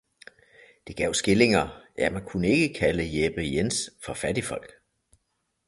det gav skillinger, man kunne ikke kalde Jeppe-Jæns for fattigfolk.